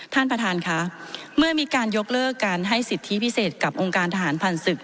ท่านประธานค่ะเมื่อมีการยกเลิกการให้สิทธิพิเศษกับองค์การทหารผ่านศึก